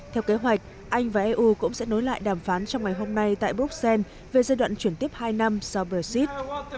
theo kế hoạch anh và eu cũng sẽ nối lại đàm phán trong ngày hôm nay tại bruxelles về giai đoạn chuyển tiếp hai năm sau brexit